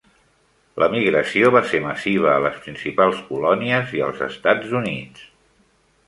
L'emigració va ser massiva a les principals colònies i als Estats Units.